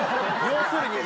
要するに。